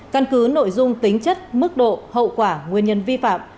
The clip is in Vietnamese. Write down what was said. căn cứ nội dung tính chất mức độ hậu quả nguyên nhân vi phạm